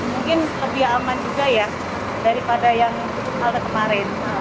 mungkin lebih aman juga ya daripada yang halte kemarin